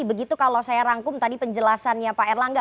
begitu kalau saya rangkum tadi penjelasannya pak erlangga